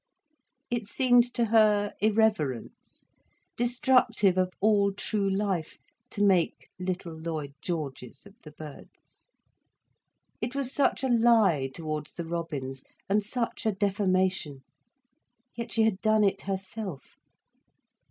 It seemed to her irreverence, destructive of all true life, to make little Lloyd Georges of the birds. It was such a lie towards the robins, and such a defamation. Yet she had done it herself.